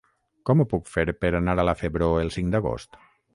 Com ho puc fer per anar a la Febró el cinc d'agost?